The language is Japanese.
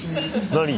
何？